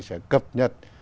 sẽ cập nhật